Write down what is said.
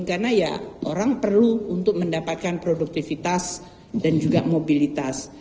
karena ya orang perlu untuk mendapatkan produktivitas dan juga mobilitas